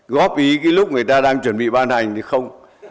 góp ý cái lúc người ta đang chuẩn bị ban hành thì không